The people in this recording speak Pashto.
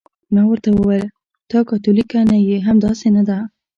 ما ورته وویل: ته کاتولیکه نه یې، همداسې نه ده؟